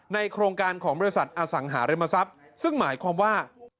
โครงการของบริษัทอสังหาริมทรัพย์ซึ่งหมายความว่า